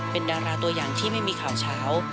เป็นดาราตัวอย่างที่ไม่มีข่าวเช้า